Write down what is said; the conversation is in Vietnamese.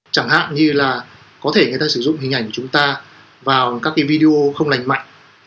chẳng hạn như là có thể người ta sử dụng hình ảnh của chúng ta vào các cái video không lành mạnh